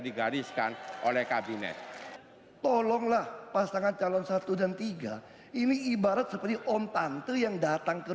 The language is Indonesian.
digariskan oleh kabinet tolonglah pasangan calon satu dan tiga ini ibarat seperti om tante yang datang ke